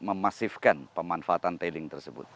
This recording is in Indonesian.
memasifkan pemanfaatan tailing tersebut